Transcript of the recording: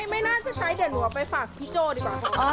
ไม่น่าจะใช้เดี๋ยวหนูเอาไปฝากพี่โจ้ดีกว่า